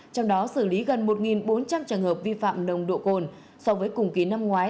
trong đó xử lý gần một bốn trăm linh trường hợp vi phạm nồng độ cồn so với cùng kỳ năm ngoái